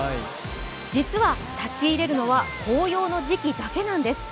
実は、立ち入れるのは紅葉の時期だけなんです。